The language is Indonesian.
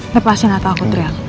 lepasin atau aku teriak